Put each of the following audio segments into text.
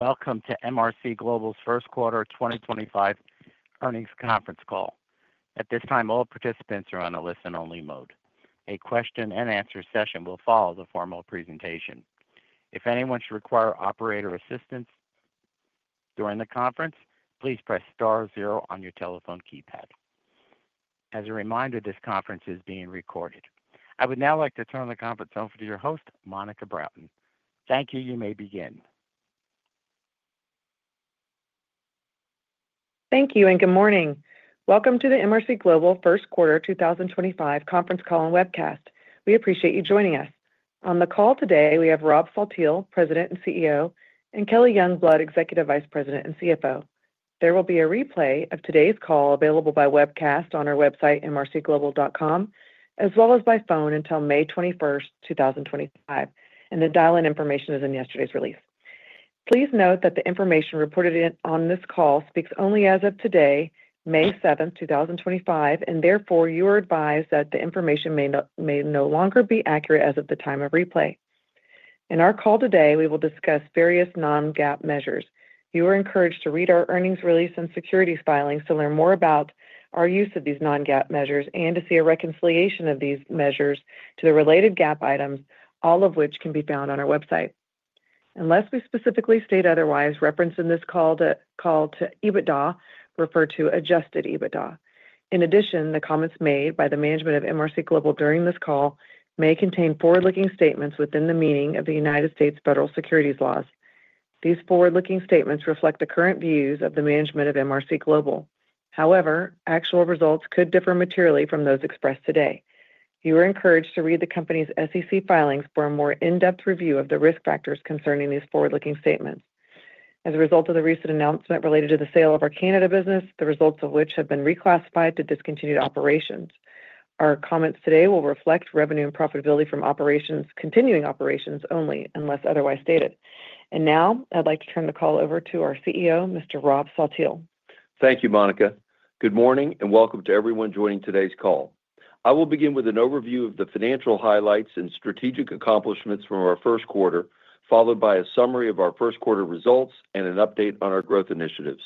Welcome to MRC Global's first quarter 2025 earnings conference call. At this time, all participants are on a listen-only mode. A question-and-answer session will follow the formal presentation. If anyone should require operator assistance during the conference, please press star zero on your telephone keypad. As a reminder, this conference is being recorded. I would now like to turn the conference over to your host, Monica Broughton. Thank you. You may begin. Thank you and good morning. Welcome to the MRC Global first quarter 2025 conference call and webcast. We appreciate you joining us. On the call today, we have Rob Saltiel, President and CEO, and Kelly Youngblood, Executive Vice President and CFO. There will be a replay of today's call available by webcast on our website, mrcglobal.com, as well as by phone until May 21st, 2025. The dial-in information is in yesterday's release. Please note that the information reported on this call speaks only as of today, May 7th, 2025, and therefore you are advised that the information may no longer be accurate as of the time of replay. In our call today, we will discuss various non-GAAP measures. You are encouraged to read our earnings release and securities filings to learn more about our use of these non-GAAP measures and to see a reconciliation of these measures to the related GAAP items, all of which can be found on our website. Unless we specifically state otherwise, reference in this call to EBITDA referred to adjusted EBITDA. In addition, the comments made by the management of MRC Global during this call may contain forward-looking statements within the meaning of the United States Federal Securities Laws. These forward-looking statements reflect the current views of the management of MRC Global. However, actual results could differ materially from those expressed today. You are encouraged to read the company's SEC filings for a more in-depth review of the risk factors concerning these forward-looking statements. As a result of the recent announcement related to the sale of our Canada business, the results of which have been reclassified to discontinued operations, our comments today will reflect revenue and profitability from continuing operations only unless otherwise stated. I would like to turn the call over to our CEO, Mr. Rob Saltiel. Thank you, Monica. Good morning and welcome to everyone joining today's call. I will begin with an overview of the financial highlights and strategic accomplishments from our first quarter, followed by a summary of our first quarter results and an update on our growth initiatives.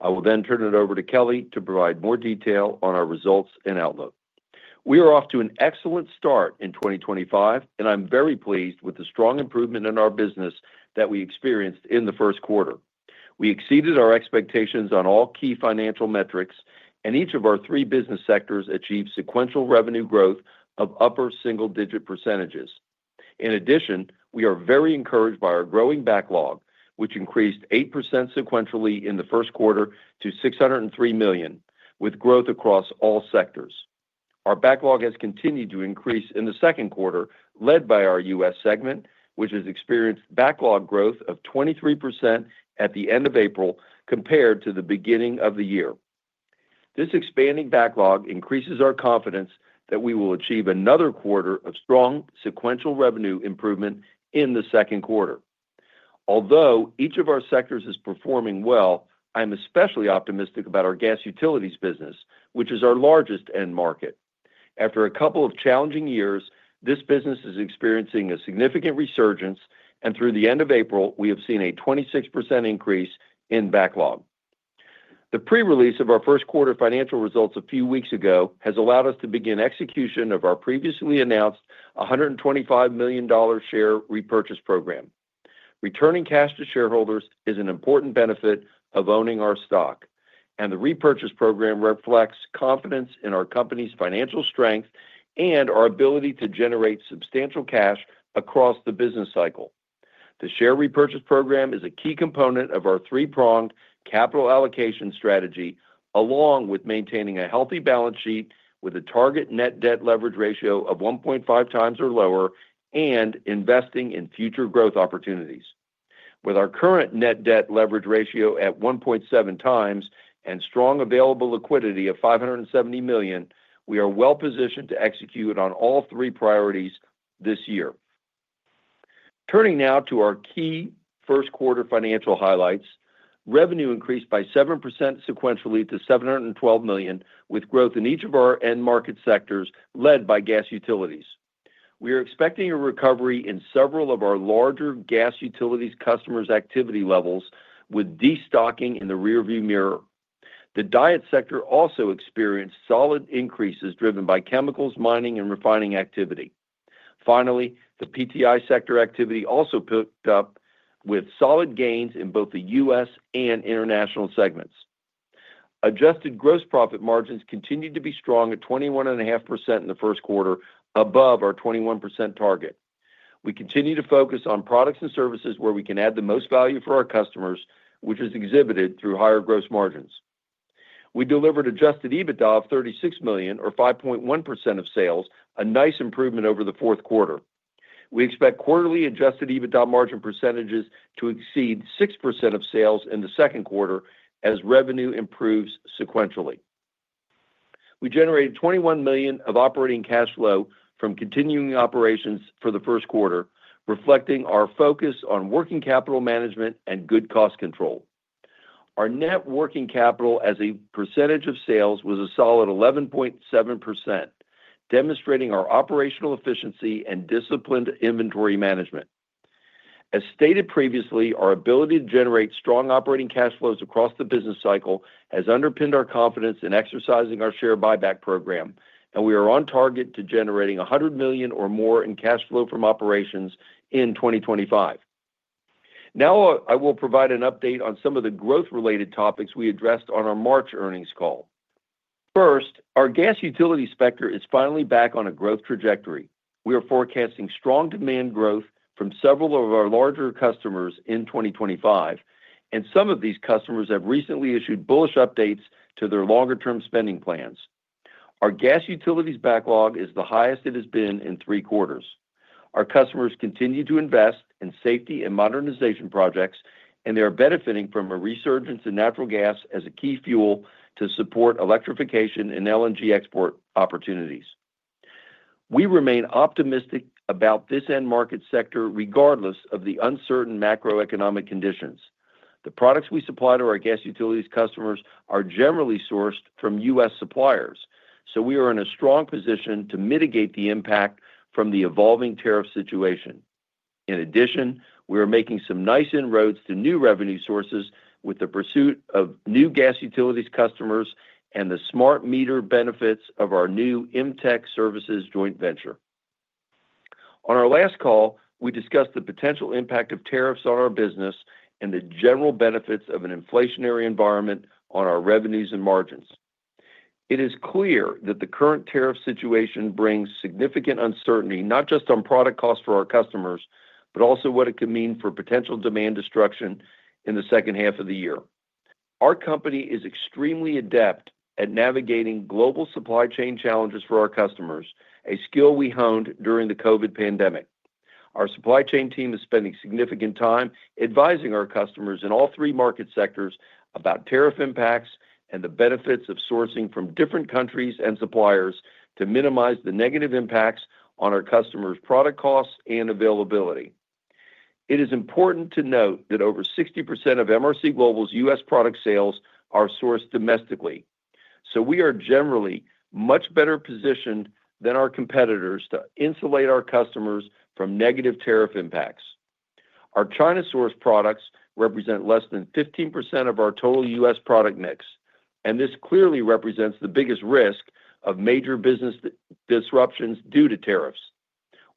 I will then turn it over to Kelly to provide more detail on our results and outlook. We are off to an excellent start in 2025, and I'm very pleased with the strong improvement in our business that we experienced in the first quarter. We exceeded our expectations on all key financial metrics, and each of our three business sectors achieved sequential revenue growth of upper single-digit percentages. In addition, we are very encouraged by our growing backlog, which increased 8% sequentially in the first quarter to $603 million, with growth across all sectors. Our backlog has continued to increase in the second quarter, led by our U.S. segment, which has experienced backlog growth of 23% at the end of April compared to the beginning of the year. This expanding backlog increases our confidence that we will achieve another quarter of strong sequential revenue improvement in the second quarter. Although each of our sectors is performing well, I'm especially optimistic about our gas utilities business, which is our largest end market. After a couple of challenging years, this business is experiencing a significant resurgence, and through the end of April, we have seen a 26% increase in backlog. The pre-release of our first quarter financial results a few weeks ago has allowed us to begin execution of our previously announced $125 million share repurchase program. Returning cash to shareholders is an important benefit of owning our stock, and the repurchase program reflects confidence in our company's financial strength and our ability to generate substantial cash across the business cycle. The share repurchase program is a key component of our three-pronged capital allocation strategy, along with maintaining a healthy balance sheet with a target net debt leverage ratio of 1.5x or lower and investing in future growth opportunities. With our current net debt leverage ratio at 1.7x and strong available liquidity of $570 million, we are well positioned to execute on all three priorities this year. Turning now to our key first quarter financial highlights, revenue increased by 7% sequentially to $712 million, with growth in each of our end market sectors led by gas utilities. We are expecting a recovery in several of our larger gas utilities customers' activity levels, with destocking in the rearview mirror. The downstream sector also experienced solid increases driven by chemicals, mining, and refining activity. Finally, the PTI sector activity also picked up with solid gains in both the U.S. and international segments. Adjusted gross profit margins continued to be strong at 21.5% in the first quarter, above our 21% target. We continue to focus on products and services where we can add the most value for our customers, which is exhibited through higher gross margins. We delivered adjusted EBITDA of $36 million, or 5.1% of sales, a nice improvement over the fourth quarter. We expect quarterly adjusted EBITDA margin percentages to exceed 6% of sales in the second quarter as revenue improves sequentially. We generated $21 million of operating cash flow from continuing operations for the first quarter, reflecting our focus on working capital management and good cost control. Our net working capital as a percentage of sales was a solid 11.7%, demonstrating our operational efficiency and disciplined inventory management. As stated previously, our ability to generate strong operating cash flows across the business cycle has underpinned our confidence in exercising our share buyback program, and we are on target to generating $100 million or more in cash flow from operations in 2025. Now I will provide an update on some of the growth-related topics we addressed on our March earnings call. First, our gas utilities sector is finally back on a growth trajectory. We are forecasting strong demand growth from several of our larger customers in 2025, and some of these customers have recently issued bullish updates to their longer-term spending plans. Our gas utilities backlog is the highest it has been in three quarters. Our customers continue to invest in safety and modernization projects, and they are benefiting from a resurgence in natural gas as a key fuel to support electrification and LNG export opportunities. We remain optimistic about this end market sector regardless of the uncertain macroeconomic conditions. The products we supply to our gas utilities customers are generally sourced from U.S. suppliers, so we are in a strong position to mitigate the impact from the evolving tariff situation. In addition, we are making some nice inroads to new revenue sources with the pursuit of new gas utilities customers and the smart meter benefits of our new IMTEC Services joint venture. On our last call, we discussed the potential impact of tariffs on our business and the general benefits of an inflationary environment on our revenues and margins. It is clear that the current tariff situation brings significant uncertainty not just on product costs for our customers, but also what it could mean for potential demand destruction in the second half of the year. Our company is extremely adept at navigating global supply chain challenges for our customers, a skill we honed during the COVID pandemic. Our supply chain team is spending significant time advising our customers in all three market sectors about tariff impacts and the benefits of sourcing from different countries and suppliers to minimize the negative impacts on our customers' product costs and availability. It is important to note that over 60% of MRC Global's U.S. product sales are sourced domestically, so we are generally much better positioned than our competitors to insulate our customers from negative tariff impacts. Our China-sourced products represent less than 15% of our total U.S. product mix, and this clearly represents the biggest risk of major business disruptions due to tariffs.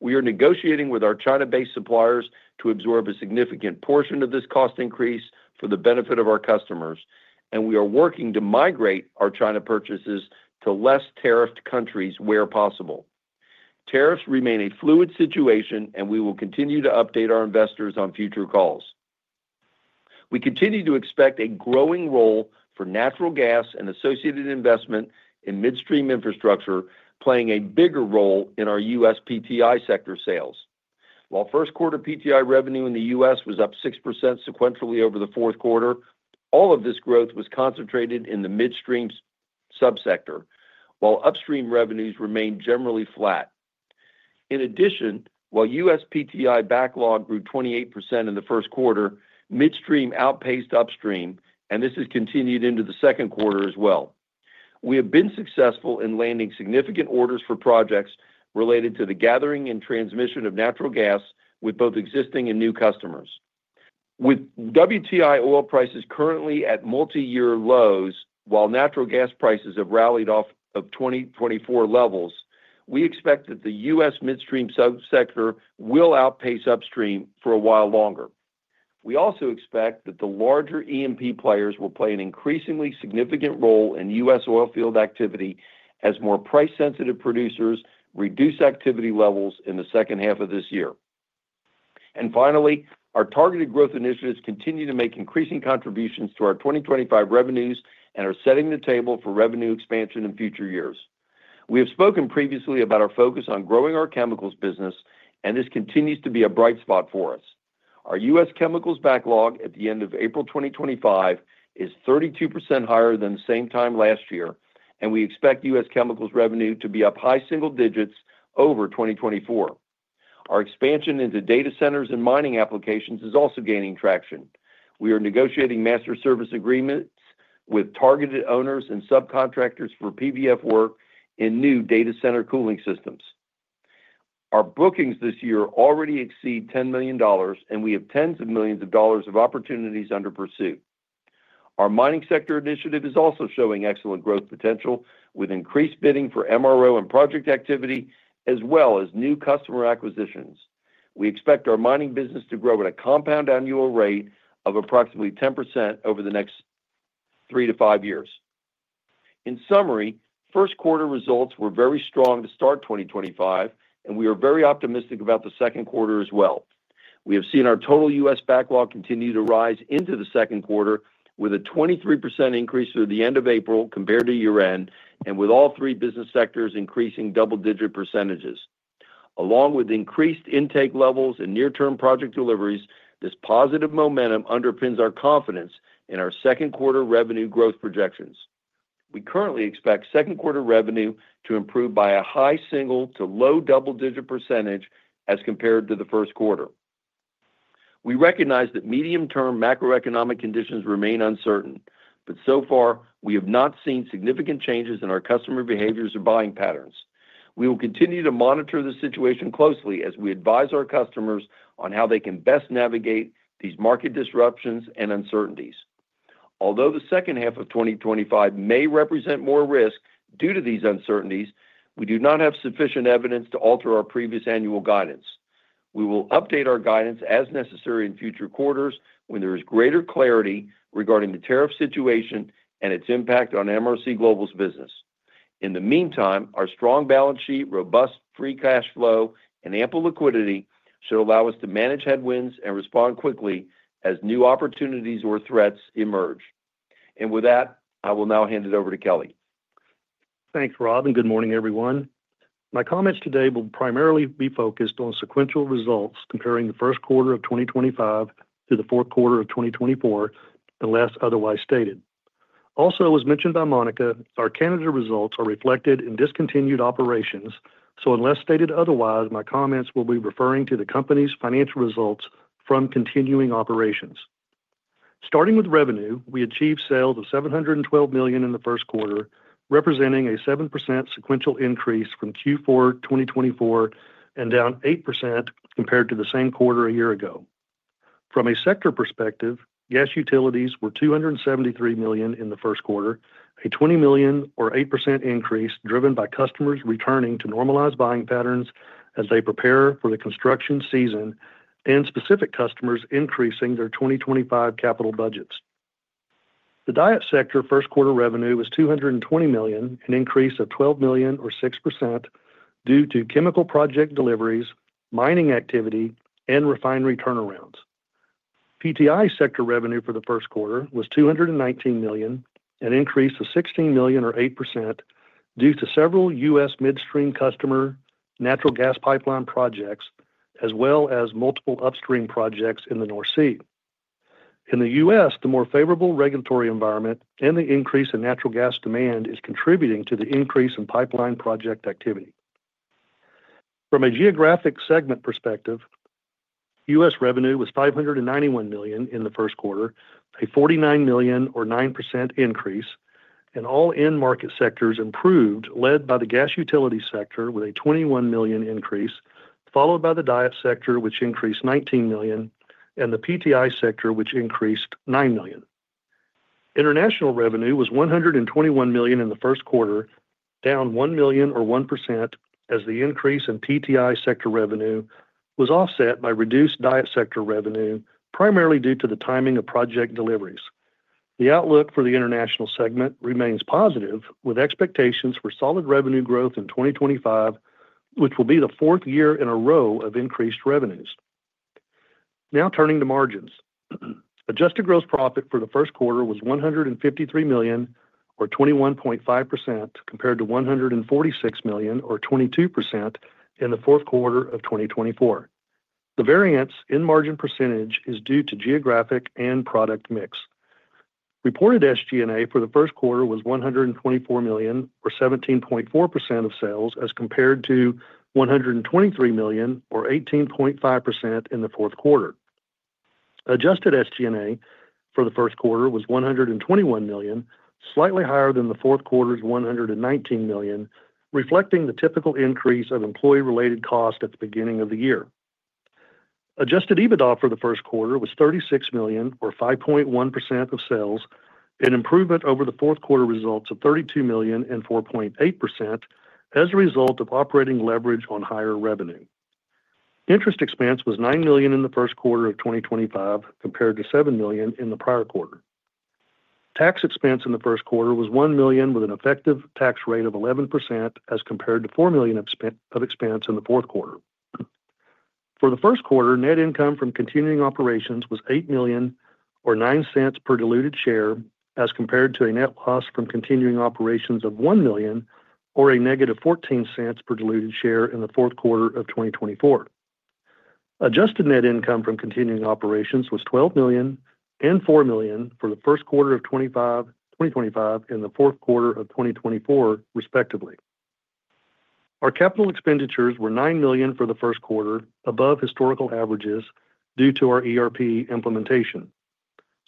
We are negotiating with our China-based suppliers to absorb a significant portion of this cost increase for the benefit of our customers, and we are working to migrate our China purchases to less tariffed countries where possible. Tariffs remain a fluid situation, and we will continue to update our investors on future calls. We continue to expect a growing role for natural gas and associated investment in midstream infrastructure playing a bigger role in our U.S. PTI sector sales. While first quarter PTI revenue in the U.S. was up 6% sequentially over the fourth quarter, all of this growth was concentrated in the midstream subsector, while upstream revenues remained generally flat. In addition, while U.S. PTI backlog grew 28% in the first quarter, midstream outpaced upstream, and this has continued into the second quarter as well. We have been successful in landing significant orders for projects related to the gathering and transmission of natural gas with both existing and new customers. With WTI oil prices currently at multi-year lows, while natural gas prices have rallied off of 2024 levels, we expect that the U.S. midstream subsector will outpace upstream for a while longer. We also expect that the larger EMP players will play an increasingly significant role in U.S. oil field activity as more price-sensitive producers reduce activity levels in the second half of this year. Finally, our targeted growth initiatives continue to make increasing contributions to our 2025 revenues and are setting the table for revenue expansion in future years. We have spoken previously about our focus on growing our chemicals business, and this continues to be a bright spot for us. Our U.S. chemicals backlog at the end of April 2025 is 32% higher than the same time last year, and we expect U.S. chemicals revenue to be up high single digits over 2024. Our expansion into data centers and mining applications is also gaining traction. We are negotiating master service agreements with targeted owners and subcontractors for PVF work in new data center cooling systems. Our bookings this year already exceed $10 million, and we have tens of millions of dollars of opportunities under pursuit. Our mining sector initiative is also showing excellent growth potential with increased bidding for MRO and project activity, as well as new customer acquisitions. We expect our mining business to grow at a compound annual rate of approximately 10% over the next three to five years. In summary, first quarter results were very strong to start 2025, and we are very optimistic about the second quarter as well. We have seen our total U.S. backlog continue to rise into the second quarter with a 23% increase through the end of April compared to year-end, and with all three business sectors increasing double-digit percentages. Along with increased intake levels and near-term project deliveries, this positive momentum underpins our confidence in our second quarter revenue growth projections. We currently expect second quarter revenue to improve by a high single- to low double-digit percentage as compared to the first quarter. We recognize that medium-term macroeconomic conditions remain uncertain, but so far we have not seen significant changes in our customer behaviors or buying patterns. We will continue to monitor the situation closely as we advise our customers on how they can best navigate these market disruptions and uncertainties. Although the second half of 2025 may represent more risk due to these uncertainties, we do not have sufficient evidence to alter our previous annual guidance. We will update our guidance as necessary in future quarters when there is greater clarity regarding the tariff situation and its impact on MRC Global's business. In the meantime, our strong balance sheet, robust free cash flow, and ample liquidity should allow us to manage headwinds and respond quickly as new opportunities or threats emerge. I will now hand it over to Kelly. Thanks, Rob, and good morning, everyone. My comments today will primarily be focused on sequential results comparing the first quarter of 2025 to the fourth quarter of 2024, unless otherwise stated. Also, as mentioned by Monica, our Canada results are reflected in discontinued operations, so unless stated otherwise, my comments will be referring to the company's financial results from continuing operations. Starting with revenue, we achieved sales of $712 million in the first quarter, representing a 7% sequential increase from Q4 2024 and down 8% compared to the same quarter a year ago. From a sector perspective, gas utilities were $273 million in the first quarter, a $20 million, or 8% increase driven by customers returning to normalized buying patterns as they prepare for the construction season and specific customers increasing their 2025 capital budgets. The downstream sector first quarter revenue was $220 million, an increase of $12 million, or 6%, due to chemical project deliveries, mining activity, and refinery turnarounds. PTI sector revenue for the first quarter was $219 million, an increase of $16 million, or 8%, due to several U.S. midstream customer natural gas pipeline projects, as well as multiple upstream projects in the North Sea. In the U.S., the more favorable regulatory environment and the increase in natural gas demand is contributing to the increase in pipeline project activity. From a geographic segment perspective, U.S. revenue was $591 million in the first quarter, a $49 million, or 9%, increase, and all end market sectors improved, led by the gas utilities sector with a $21 million increase, followed by the downstream sector, which increased $19 million, and the PTI sector, which increased $9 million. International revenue was $121 million in the first quarter, down $1 million, or 1%, as the increase in PTI sector revenue was offset by reduced downstream sector revenue, primarily due to the timing of project deliveries. The outlook for the international segment remains positive, with expectations for solid revenue growth in 2025, which will be the fourth year in a row of increased revenues. Now turning to margins, adjusted gross profit for the first quarter was $153 million, or 21.5%, compared to $146 million, or 22%, in the fourth quarter of 2024. The variance in margin percentage is due to geographic and product mix. Reported SG&A for the first quarter was $124 million, or 17.4% of sales, as compared to $123 million, or 18.5%, in the fourth quarter. Adjusted SG&A for the first quarter was $121 million, slightly higher than the fourth quarter's $119 million, reflecting the typical increase of employee-related cost at the beginning of the year. Adjusted EBITDA for the first quarter was $36 million, or 5.1% of sales, an improvement over the fourth quarter results of $32 million and 4.8% as a result of operating leverage on higher revenue. Interest expense was $9 million in the first quarter of 2025, compared to $7 million in the prior quarter. Tax expense in the first quarter was $1 million, with an effective tax rate of 11% as compared to $4 million of expense in the fourth quarter. For the first quarter, net income from continuing operations was $8 million, or $0.09 per diluted share, as compared to a net loss from continuing operations of $1 million, or a negative $0.14 per diluted share in the fourth quarter of 2024. Adjusted net income from continuing operations was $12 million and $4 million for the first quarter of 2025 and the fourth quarter of 2024, respectively. Our capital expenditures were $9 million for the first quarter, above historical averages due to our ERP implementation.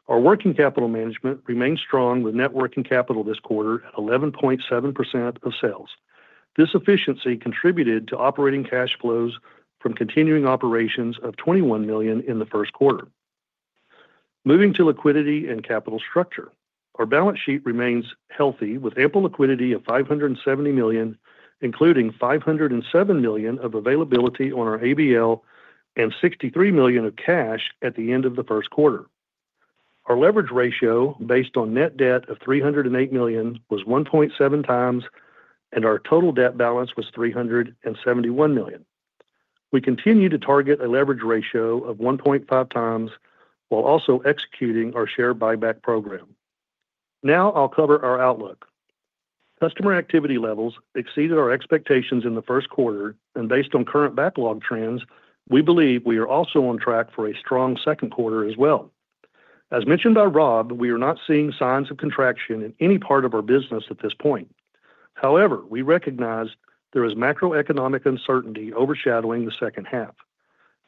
Our working capital management remained strong with net working capital this quarter at 11.7% of sales. This efficiency contributed to operating cash flows from continuing operations of $21 million in the first quarter. Moving to liquidity and capital structure, our balance sheet remains healthy with ample liquidity of $570 million, including $507 million of availability on our ABL and $63 million of cash at the end of the first quarter. Our leverage ratio, based on net debt of $308 million, was 1.7x, and our total debt balance was $371 million. We continue to target a leverage ratio of 1.5x while also executing our share buyback program. Now I'll cover our outlook. Customer activity levels exceeded our expectations in the first quarter, and based on current backlog trends, we believe we are also on track for a strong second quarter as well. As mentioned by Rob, we are not seeing signs of contraction in any part of our business at this point. However, we recognize there is macroeconomic uncertainty overshadowing the second half.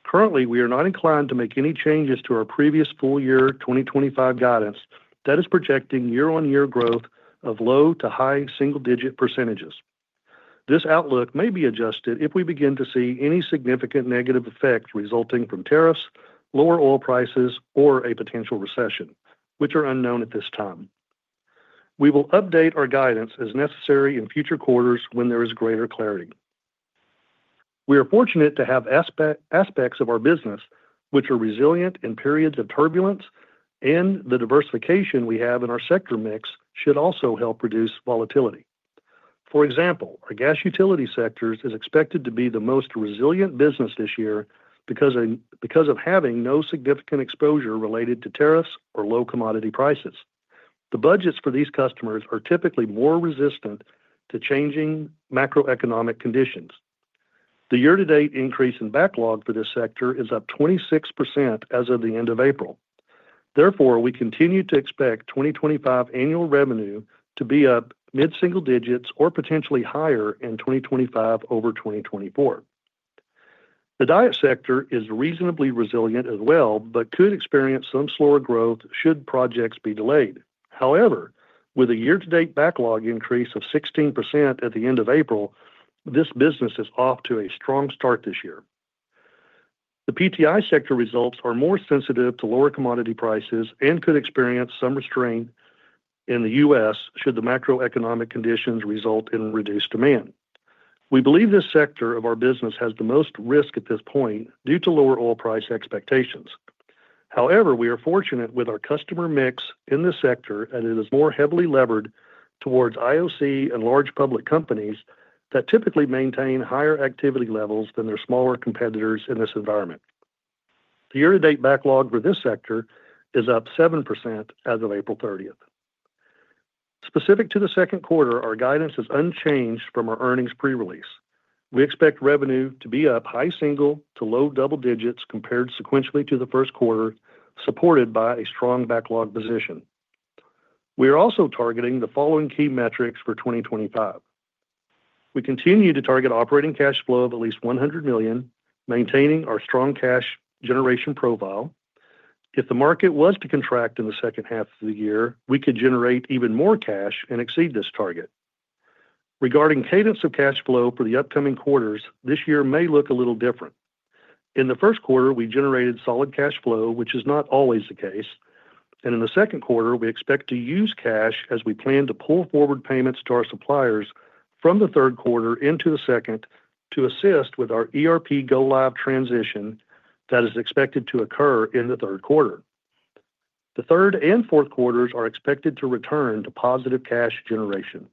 Currently, we are not inclined to make any changes to our previous full-year 2025 guidance that is projecting year-on-year growth of low to high single-digit percentages. This outlook may be adjusted if we begin to see any significant negative effects resulting from tariffs, lower oil prices, or a potential recession, which are unknown at this time. We will update our guidance as necessary in future quarters when there is greater clarity. We are fortunate to have aspects of our business which are resilient in periods of turbulence, and the diversification we have in our sector mix should also help reduce volatility. For example, our gas utility sector is expected to be the most resilient business this year because of having no significant exposure related to tariffs or low commodity prices. The budgets for these customers are typically more resistant to changing macroeconomic conditions. The year-to-date increase in backlog for this sector is up 26% as of the end of April. Therefore, we continue to expect 2025 annual revenue to be up mid-single digits or potentially higher in 2025 over 2024. The diet sector is reasonably resilient as well but could experience some slower growth should projects be delayed. However, with a year-to-date backlog increase of 16% at the end of April, this business is off to a strong start this year. The PTI sector results are more sensitive to lower commodity prices and could experience some restraint in the U.S. should the macroeconomic conditions result in reduced demand. We believe this sector of our business has the most risk at this point due to lower oil price expectations. However, we are fortunate with our customer mix in this sector, and it is more heavily levered towards IOC and large public companies that typically maintain higher activity levels than their smaller competitors in this environment. The year-to-date backlog for this sector is up 7% as of April 30th. Specific to the second quarter, our guidance is unchanged from our earnings pre-release. We expect revenue to be up high single to low double digits compared sequentially to the first quarter, supported by a strong backlog position. We are also targeting the following key metrics for 2025. We continue to target operating cash flow of at least $100 million, maintaining our strong cash generation profile. If the market was to contract in the second half of the year, we could generate even more cash and exceed this target. Regarding cadence of cash flow for the upcoming quarters, this year may look a little different. In the first quarter, we generated solid cash flow, which is not always the case, and in the second quarter, we expect to use cash as we plan to pull forward payments to our suppliers from the third quarter into the second to assist with our ERP Go-Live transition that is expected to occur in the third quarter. The third and fourth quarters are expected to return to positive cash generation.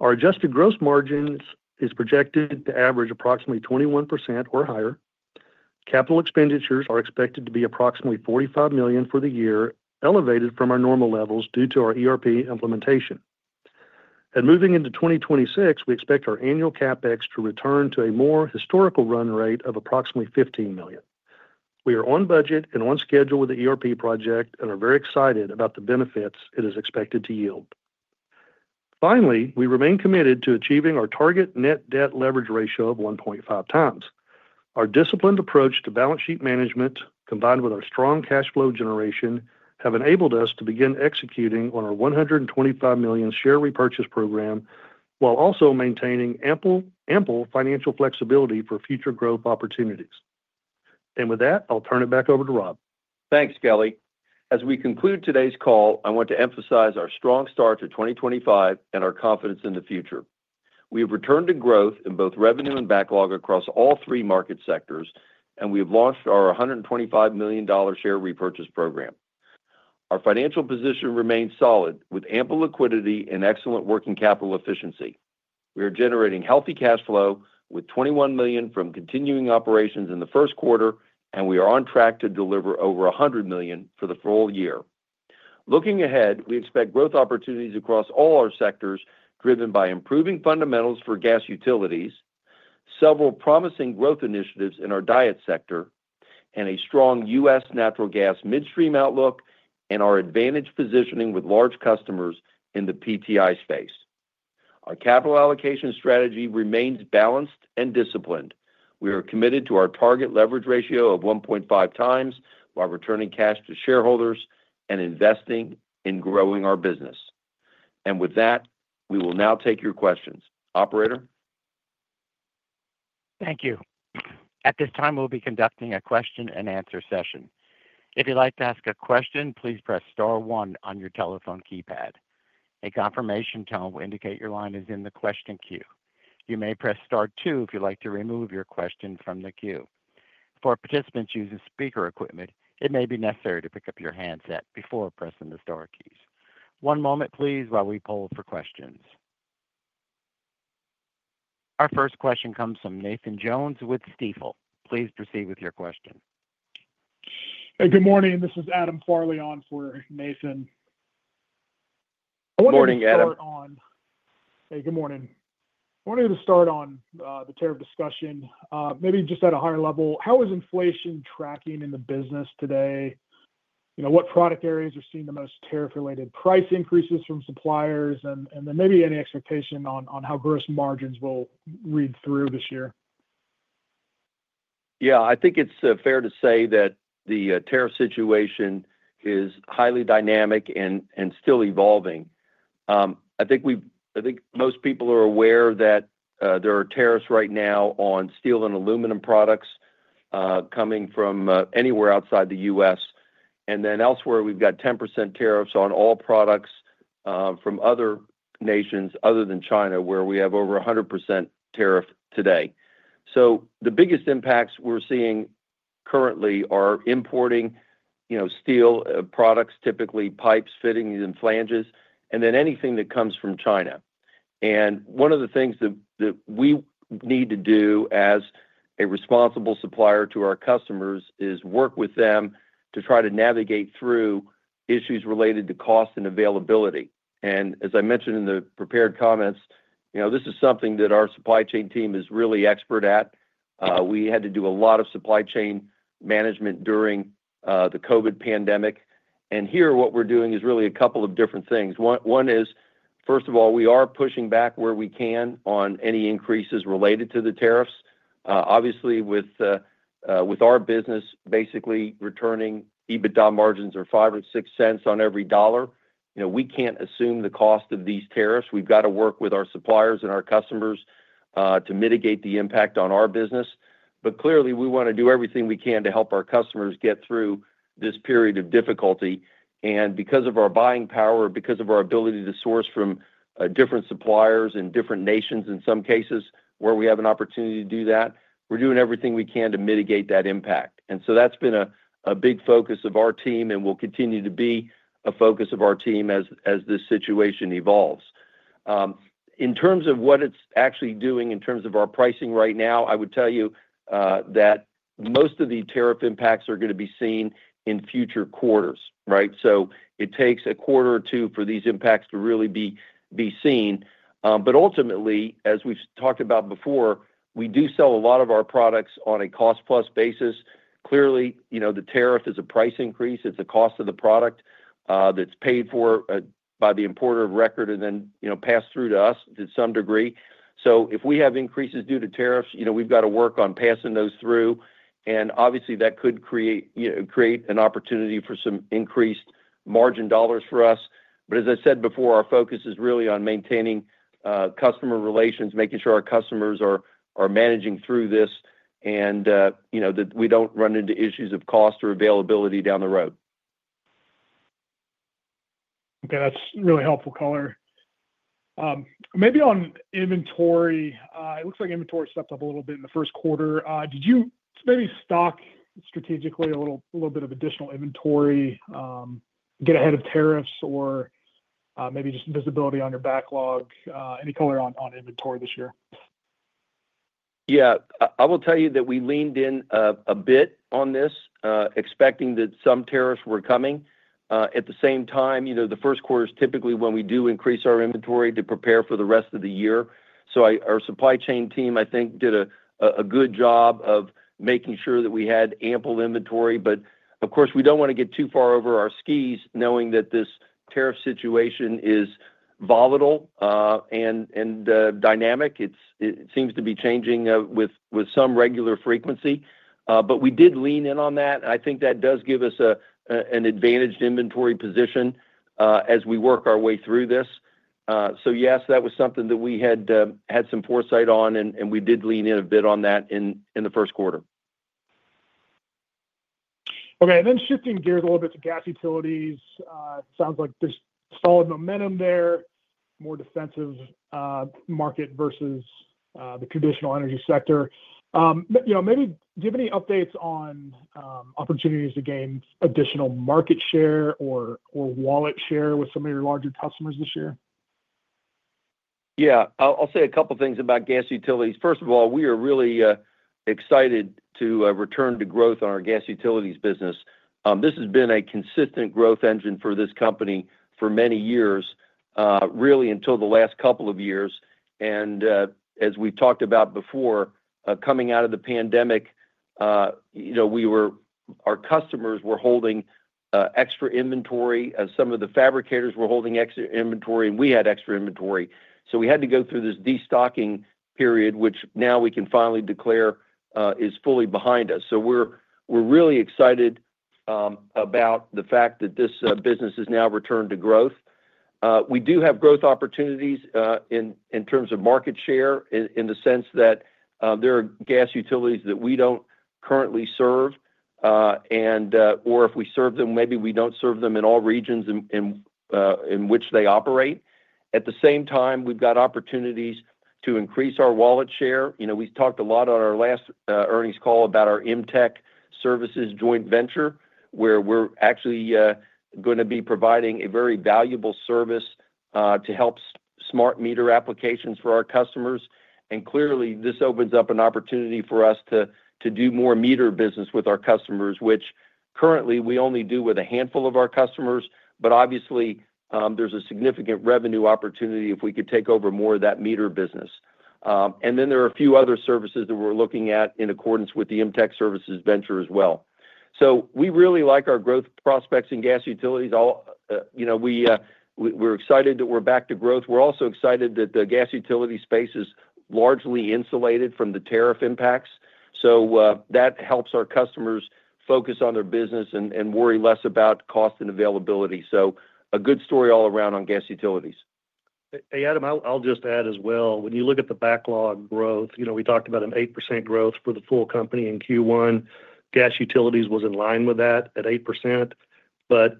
Our adjusted gross margin is projected to average approximately 21% or higher. Capital expenditures are expected to be approximately $45 million for the year, elevated from our normal levels due to our ERP implementation. Moving into 2026, we expect our annual CapEx to return to a more historical run rate of approximately $15 million. We are on budget and on schedule with the ERP project and are very excited about the benefits it is expected to yield. Finally, we remain committed to achieving our target net debt leverage ratio of 1.5x. Our disciplined approach to balance sheet management, combined with our strong cash flow generation, has enabled us to begin executing on our $125 million share repurchase program while also maintaining ample financial flexibility for future growth opportunities. With that, I'll turn it back over to Rob. Thanks, Kelly. As we conclude today's call, I want to emphasize our strong start to 2025 and our confidence in the future. We have returned to growth in both revenue and backlog across all three market sectors, and we have launched our $125 million share repurchase program. Our financial position remains solid with ample liquidity and excellent working capital efficiency. We are generating healthy cash flow with $21 million from continuing operations in the first quarter, and we are on track to deliver over $100 million for the full year. Looking ahead, we expect growth opportunities across all our sectors driven by improving fundamentals for gas utilities, several promising growth initiatives in our diet sector, a strong U.S. natural gas midstream outlook, and our advantage positioning with large customers in the PTI space. Our capital allocation strategy remains balanced and disciplined. We are committed to our target leverage ratio of 1.5x while returning cash to shareholders and investing in growing our business. With that, we will now take your questions. Operator. Thank you. At this time, we'll be conducting a question and answer session. If you'd like to ask a question, please press Star one on your telephone keypad. A confirmation tone will indicate your line is in the question queue. You may press Star two if you'd like to remove your question from the queue. For participants using speaker equipment, it may be necessary to pick up your handset before pressing the Star keys. One moment, please, while we poll for questions. Our first question comes from Nathan Jones with Stifel. Please proceed with your question. Hey, good morning. This is Adam Farley on for Nathan. Good morning, Adam. Hey, good morning. I wanted to start on the tariff discussion, maybe just at a higher level. How is inflation tracking in the business today? What product areas are seeing the most tariff-related price increases from suppliers? Maybe any expectation on how gross margins will read through this year? Yeah, I think it's fair to say that the tariff situation is highly dynamic and still evolving. I think most people are aware that there are tariffs right now on steel and aluminum products coming from anywhere outside the U.S. There are also 10% tariffs on all products from other nations other than China, where we have over 100% tariff today. The biggest impacts we are seeing currently are importing steel products, typically pipes, fittings, and flanges, and then anything that comes from China. One of the things that we need to do as a responsible supplier to our customers is work with them to try to navigate through issues related to cost and availability. As I mentioned in the prepared comments, this is something that our supply chain team is really expert at. We had to do a lot of supply chain management during the COVID pandemic. Here, what we are doing is really a couple of different things. One is, first of all, we are pushing back where we can on any increases related to the tariffs. Obviously, with our business basically returning EBITDA margins of $0.05 or $0.06 on every dollar, we can't assume the cost of these tariffs. We have got to work with our suppliers and our customers to mitigate the impact on our business. Clearly, we want to do everything we can to help our customers get through this period of difficulty. Because of our buying power, because of our ability to source from different suppliers in different nations in some cases where we have an opportunity to do that, we are doing everything we can to mitigate that impact. That has been a big focus of our team, and will continue to be a focus of our team as this situation evolves. In terms of what it's actually doing in terms of our pricing right now, I would tell you that most of the tariff impacts are going to be seen in future quarters, right? It takes a quarter or two for these impacts to really be seen. Ultimately, as we've talked about before, we do sell a lot of our products on a cost-plus basis. Clearly, the tariff is a price increase. It's the cost of the product that's paid for by the importer of record and then passed through to us to some degree. If we have increases due to tariffs, we've got to work on passing those through. Obviously, that could create an opportunity for some increased margin dollars for us. As I said before, our focus is really on maintaining customer relations, making sure our customers are managing through this and that we do not run into issues of cost or availability down the road. Okay, that is really helpful, color. Maybe on inventory, it looks like inventory stepped up a little bit in the first quarter. Did you maybe stock strategically a little bit of additional inventory, get ahead of tariffs, or maybe just visibility on your backlog? Any color on inventory this year? Yeah, I will tell you that we leaned in a bit on this, expecting that some tariffs were coming. At the same time, the first quarter is typically when we do increase our inventory to prepare for the rest of the year. Our supply chain team, I think, did a good job of making sure that we had ample inventory. Of course, we do not want to get too far over our skis knowing that this tariff situation is volatile and dynamic. It seems to be changing with some regular frequency. We did lean in on that. I think that does give us an advantaged inventory position as we work our way through this. Yes, that was something that we had some foresight on, and we did lean in a bit on that in the first quarter. Okay, and then shifting gears a little bit to gas utilities. It sounds like there is solid momentum there, more defensive market versus the traditional energy sector. Maybe do you have any updates on opportunities to gain additional market share or wallet share with some of your larger customers this year? Yeah, I will say a couple of things about gas utilities. First of all, we are really excited to return to growth on our gas utilities business. This has been a consistent growth engine for this company for many years, really until the last couple of years. As we have talked about before, coming out of the pandemic, our customers were holding extra inventory, as some of the fabricators were holding extra inventory, and we had extra inventory. We had to go through this destocking period, which now we can finally declare is fully behind us. We are really excited about the fact that this business has now returned to growth. We do have growth opportunities in terms of market share in the sense that there are gas utilities that we do not currently serve, or if we serve them, maybe we do not serve them in all regions in which they operate. At the same time, we've got opportunities to increase our wallet share. We talked a lot on our last earnings call about our IMTEC Services joint venture, where we're actually going to be providing a very valuable service to help smart meter applications for our customers. Clearly, this opens up an opportunity for us to do more meter business with our customers, which currently we only do with a handful of our customers. Obviously, there's a significant revenue opportunity if we could take over more of that meter business. There are a few other services that we're looking at in accordance with the IMTEC Services venture as well. We really like our growth prospects in gas utilities. We're excited that we're back to growth. We're also excited that the gas utility space is largely insulated from the tariff impacts. That helps our customers focus on their business and worry less about cost and availability. A good story all around on gas utilities. Hey, Adam, I'll just add as well. When you look at the backlog growth, we talked about an 8% growth for the full company in Q1. Gas utilities was in line with that at 8%. As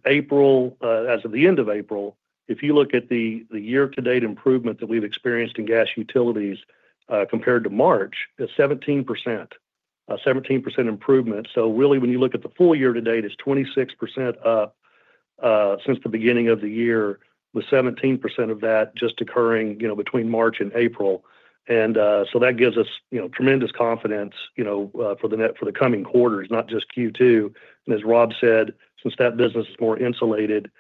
of the end of April, if you look at the year-to-date improvement that we've experienced in gas utilities compared to March, it's 17%, a 17% improvement. When you look at the full year-to-date, it's 26% up since the beginning of the year, with 17% of that just occurring between March and April. That gives us tremendous confidence for the coming quarters, not just Q2. As Rob said, since that business is more insulated,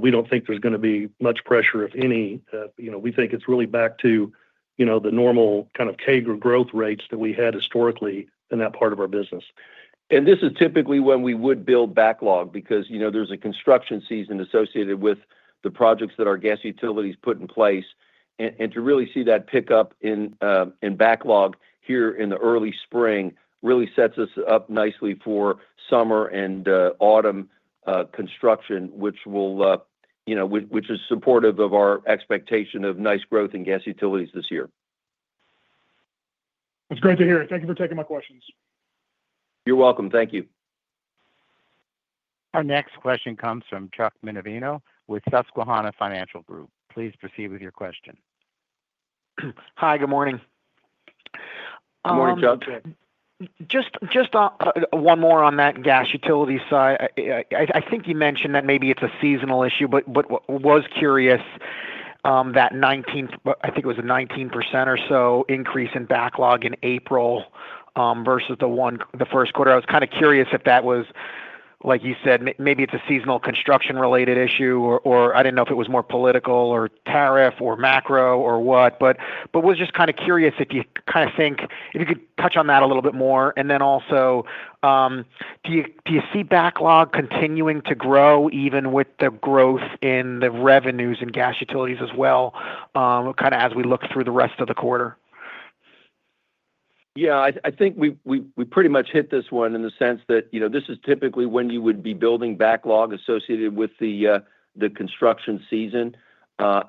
we do not think there is going to be much pressure, if any. We think it is really back to the normal kind of CAGR growth rates that we had historically in that part of our business. This is typically when we would build backlog because there is a construction season associated with the projects that our gas utilities put in place. To really see that pick up in backlog here in the early spring really sets us up nicely for summer and autumn construction, which is supportive of our expectation of nice growth in gas utilities this year. It is great to hear it. Thank you for taking my questions. You are welcome. Thank you. Our next question comes from [Chuck] Minervino with Susquehanna Financial Group. Please proceed with your question. Hi, good morning. Good morning, [Chuck]. Just one more on that gas utility side. I think you mentioned that maybe it is a seasonal issue, but was curious that 19%, I think it was a 19% or so increase in backlog in April versus the first quarter. I was kind of curious if that was, like you said, maybe it is a seasonal construction-related issue, or I did not know if it was more political or tariff or macro or what. Was just kind of curious if you kind of think if you could touch on that a little bit more. Also, do you see backlog continuing to grow even with the growth in the revenues in gas utilities as well, kind of as we look through the rest of the quarter? Yeah, I think we pretty much hit this one in the sense that this is typically when you would be building backlog associated with the construction season.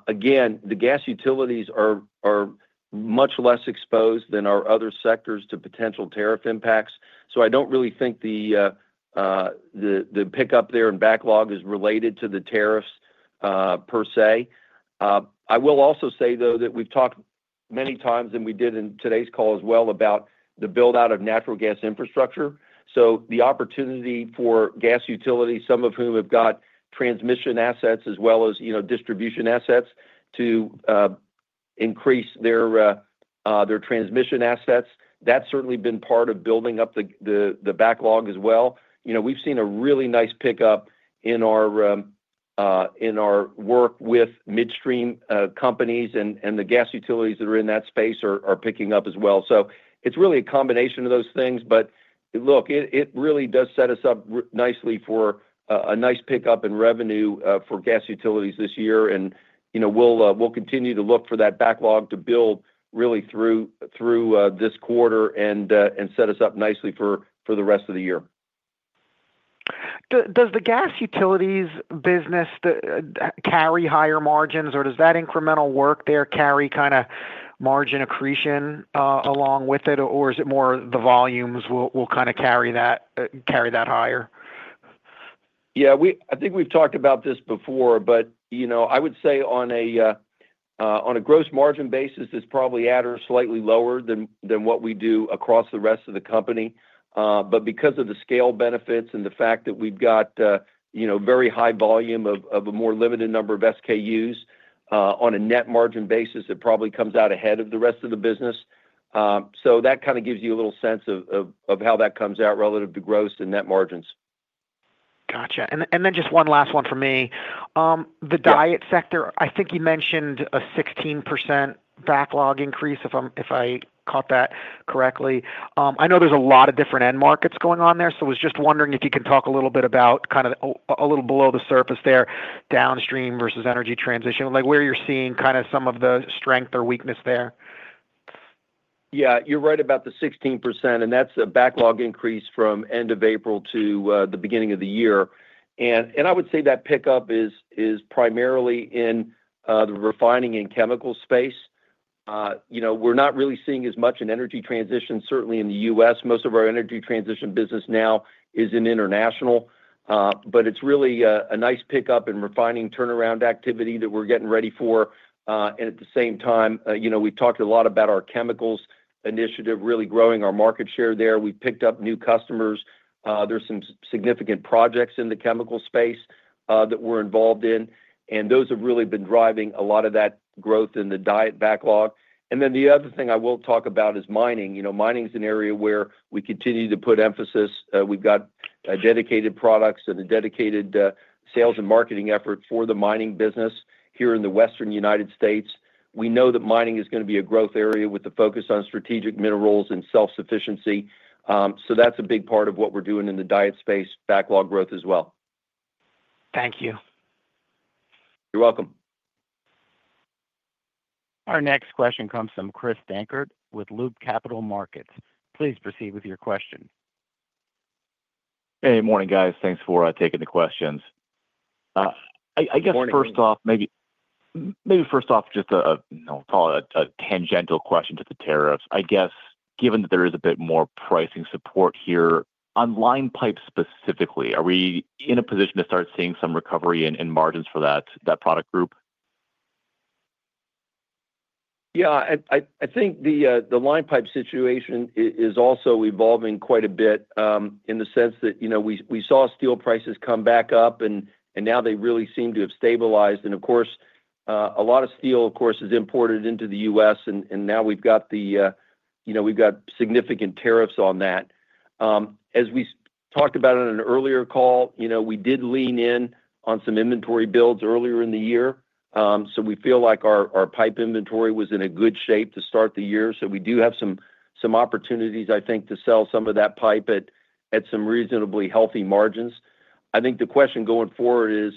Again, the gas utilities are much less exposed than our other sectors to potential tariff impacts. I do not really think the pickup there in backlog is related to the tariffs per se. I will also say, though, that we have talked many times, and we did in today's call as well, about the build-out of natural gas infrastructure. The opportunity for gas utilities, some of whom have got transmission assets as well as distribution assets to increase their transmission assets, that has certainly been part of building up the backlog as well. We have seen a really nice pickup in our work with midstream companies, and the gas utilities that are in that space are picking up as well. It is really a combination of those things. Look, it really does set us up nicely for a nice pickup in revenue for gas utilities this year. We will continue to look for that backlog to build really through this quarter and set us up nicely for the rest of the year. Does the gas utilities business carry higher margins, or does that incremental work there carry kind of margin accretion along with it, or is it more the volumes will kind of carry that higher? I think we have talked about this before, but I would say on a gross margin basis, it is probably at or slightly lower than what we do across the rest of the company. Because of the scale benefits and the fact that we've got very high volume of a more limited number of SKUs, on a net margin basis, it probably comes out ahead of the rest of the business. That kind of gives you a little sense of how that comes out relative to gross and net margins. Gotcha. Just one last one for me. The diet sector, I think you mentioned a 16% backlog increase, if I caught that correctly. I know there's a lot of different end markets going on there. I was just wondering if you can talk a little bit about kind of a little below the surface there, downstream versus energy transition, where you're seeing kind of some of the strength or weakness there. Yeah, you're right about the 16%, and that's a backlog increase from end of April to the beginning of the year. I would say that pickup is primarily in the refining and chemical space. We're not really seeing as much in energy transition, certainly in the U.S. Most of our energy transition business now is international. It is really a nice pickup in refining turnaround activity that we're getting ready for. At the same time, we've talked a lot about our chemicals initiative, really growing our market share there. We've picked up new customers. There are some significant projects in the chemical space that we're involved in. Those have really been driving a lot of that growth in the backlog. The other thing I will talk about is mining. Mining is an area where we continue to put emphasis. We've got dedicated products and a dedicated sales and marketing effort for the mining business here in the Western United States. We know that mining is going to be a growth area with the focus on strategic minerals and self-sufficiency. That's a big part of what we're doing in the diet space backlog growth as well. Thank you. You're welcome. Our next question comes from Chris Dankert with Loop Capital Markets. Please proceed with your question. Hey, morning, guys. Thanks for taking the questions. I guess first off, just a tangential question to the tariffs. I guess given that there is a bit more pricing support here, on line pipe specifically, are we in a position to start seeing some recovery in margins for that product group? Yeah, I think the line pipe situation is also evolving quite a bit in the sense that we saw steel prices come back up, and now they really seem to have stabilized. Of course, a lot of steel, of course, is imported into the U.S., and now we've got significant tariffs on that. As we talked about in an earlier call, we did lean in on some inventory builds earlier in the year. We feel like our pipe inventory was in good shape to start the year. We do have some opportunities, I think, to sell some of that pipe at some reasonably healthy margins. I think the question going forward is,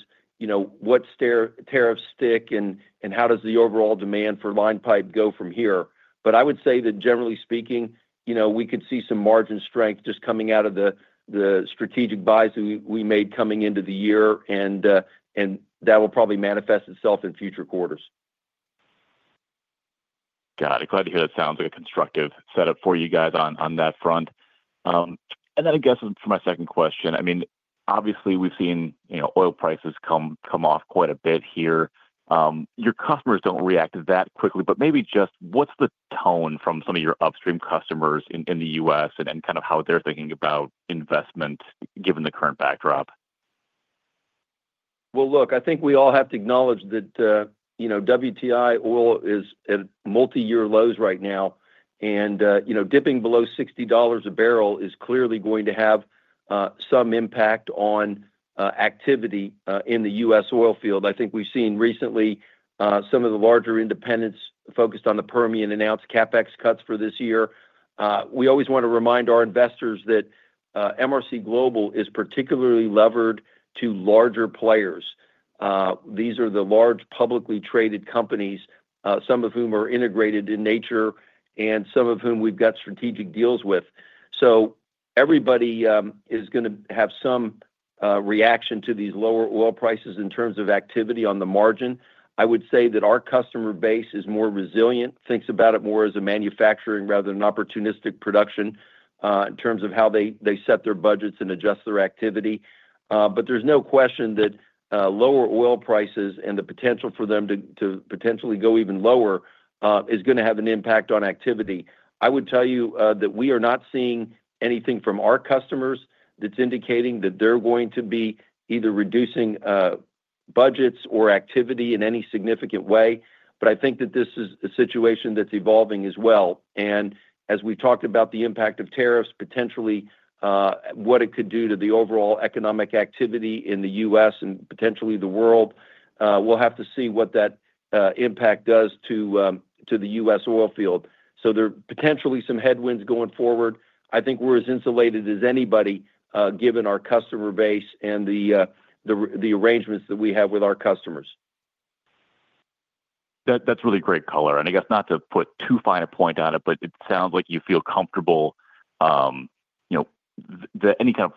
what tariffs stick, and how does the overall demand for line pipe go from here? I would say that generally speaking, we could see some margin strength just coming out of the strategic buys we made coming into the year, and that will probably manifest itself in future quarters. Got it. Glad to hear that sounds like a constructive setup for you guys on that front. For my second question, I mean, obviously, we've seen oil prices come off quite a bit here. Your customers do not react that quickly, but maybe just what's the tone from some of your upstream customers in the U.S. and kind of how they're thinking about investment given the current backdrop? I think we all have to acknowledge that WTI oil is at multi-year lows right now. Dipping below $60 a barrel is clearly going to have some impact on activity in the U.S. oil field. I think we've seen recently some of the larger independents focused on the Permian announce CapEx cuts for this year. We always want to remind our investors that MRC Global is particularly levered to larger players. These are the large publicly traded companies, some of whom are integrated in nature and some of whom we've got strategic deals with. Everybody is going to have some reaction to these lower oil prices in terms of activity on the margin. I would say that our customer base is more resilient, thinks about it more as a manufacturing rather than opportunistic production in terms of how they set their budgets and adjust their activity. There is no question that lower oil prices and the potential for them to potentially go even lower is going to have an impact on activity. I would tell you that we are not seeing anything from our customers that's indicating that they're going to be either reducing budgets or activity in any significant way. I think that this is a situation that's evolving as well. As we talked about the impact of tariffs, potentially what it could do to the overall economic activity in the U.S. and potentially the world, we'll have to see what that impact does to the U.S. oil field. There are potentially some headwinds going forward. I think we're as insulated as anybody given our customer base and the arrangements that we have with our customers. That's really great color. I guess not to put too fine a point on it, but it sounds like you feel comfortable that any kind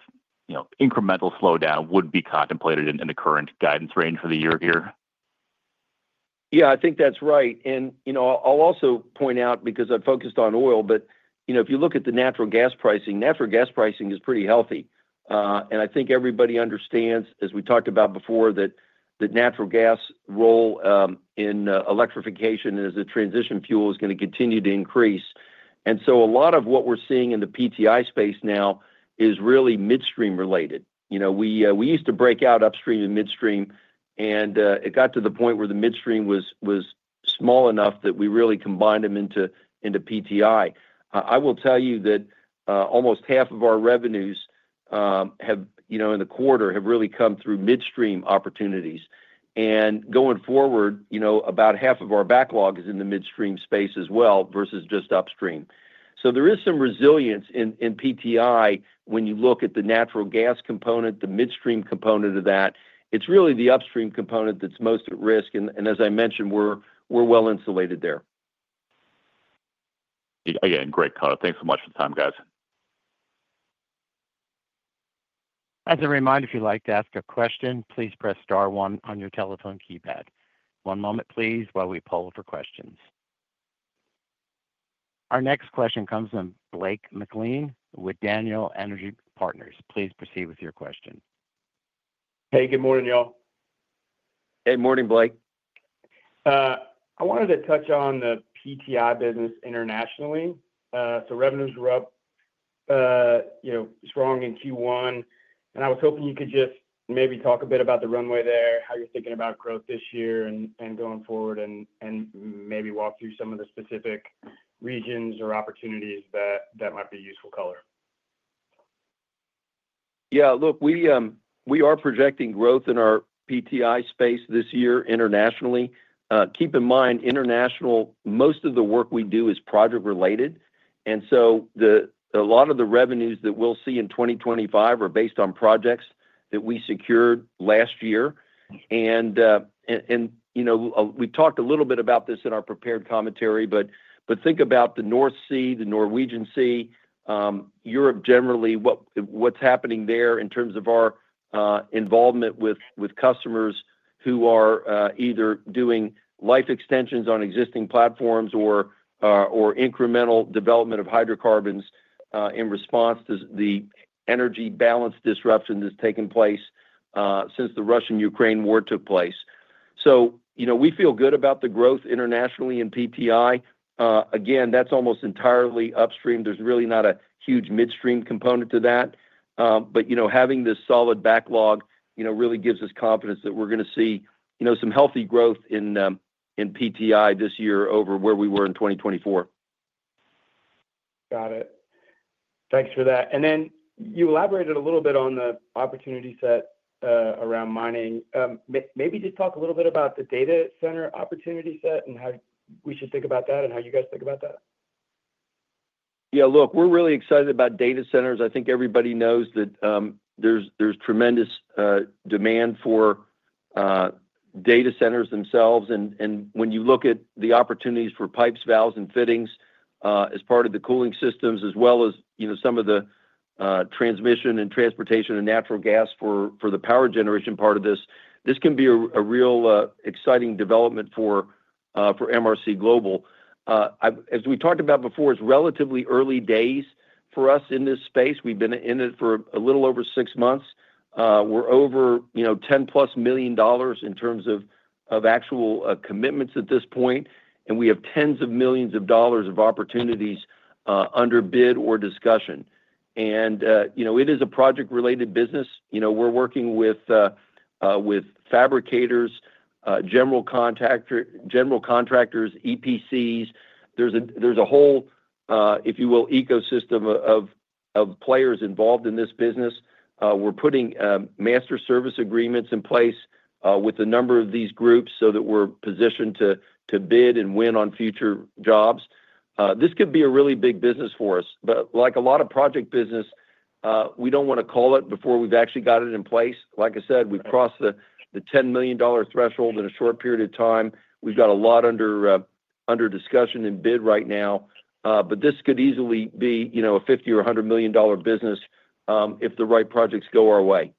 of incremental slowdown would be contemplated in the current guidance range for the year here. Yeah, I think that's right. I'll also point out, because I've focused on oil, but if you look at the natural gas pricing, natural gas pricing is pretty healthy. I think everybody understands, as we talked about before, that the natural gas role in electrification as a transition fuel is going to continue to increase. A lot of what we're seeing in the PTI space now is really midstream related. We used to break out upstream and midstream, and it got to the point where the midstream was small enough that we really combined them into PTI. I will tell you that almost half of our revenues in the quarter have really come through midstream opportunities. Going forward, about half of our backlog is in the midstream space as well versus just upstream. There is some resilience in PTI when you look at the natural gas component, the midstream component of that. It's really the upstream component that's most at risk. As I mentioned, we're well insulated there. Again, great color. Thanks so much for the time, guys. As a reminder, if you'd like to ask a question, please press star one on your telephone keypad. One moment, please, while we poll for questions. Our next question comes from Blake McLean with Daniel Energy Partners. Please proceed with your question. Hey, good morning, y'all. Hey, morning, Blake. I wanted to touch on the PTI business internationally. Revenues were up strong in Q1. I was hoping you could just maybe talk a bit about the runway there, how you're thinking about growth this year and going forward, and maybe walk through some of the specific regions or opportunities that might be useful color. Yeah, look, we are projecting growth in our PTI space this year internationally. Keep in mind, international, most of the work we do is project-related. A lot of the revenues that we'll see in 2025 are based on projects that we secured last year. We've talked a little bit about this in our prepared commentary, but think about the North Sea, the Norwegian Sea, Europe generally, what's happening there in terms of our involvement with customers who are either doing life extensions on existing platforms or incremental development of hydrocarbons in response to the energy balance disruption that's taken place since the Russian-Ukraine war took place. We feel good about the growth internationally in PTI. Again, that's almost entirely upstream. There's really not a huge midstream component to that. Having this solid backlog really gives us confidence that we're going to see some healthy growth in PTI this year over where we were in 2024. Got it. Thanks for that. You elaborated a little bit on the opportunity set around mining. Maybe just talk a little bit about the data center opportunity set and how we should think about that and how you guys think about that. Yeah, look, we're really excited about data centers. I think everybody knows that there's tremendous demand for data centers themselves. When you look at the opportunities for pipes, valves, and fittings as part of the cooling systems, as well as some of the transmission and transportation of natural gas for the power generation part of this, this can be a real exciting development for MRC Global. As we talked about before, it's relatively early days for us in this space. We've been in it for a little over six months. We're over $10 million+ in terms of actual commitments at this point. We have tens of millions of dollars of opportunities under bid or discussion. It is a project-related business. We're working with fabricators, general contractors, EPCs. There's a whole, if you will, ecosystem of players involved in this business. We're putting master service agreements in place with a number of these groups so that we're positioned to bid and win on future jobs. This could be a really big business for us. Like a lot of project business, we do not want to call it before we have actually got it in place. Like I said, we have crossed the $10 million threshold in a short period of time. We have got a lot under discussion and bid right now. This could easily be a $50 or $100 million business if the right projects go our way.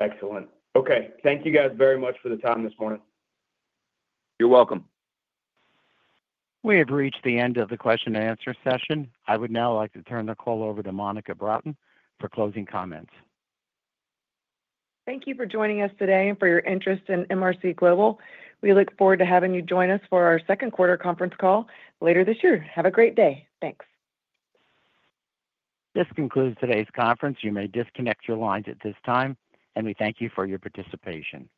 Excellent. Okay. Thank you guys very much for the time this morning. You are welcome. We have reached the end of the question-and-answer session. I would now like to turn the call over to Monica Broughton for closing comments. Thank you for joining us today and for your interest in MRC Global. We look forward to having you join us for our second quarter conference call later this year. Have a great day. Thanks. This concludes today's conference. You may disconnect your lines at this time, and we thank you for your participation.